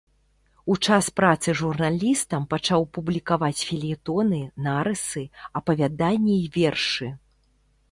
У час працы журналістам пачаў публікаваць фельетоны, нарысы, апавяданні і вершы.